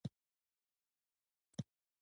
باید له تیرو څخه زده کړه وکړو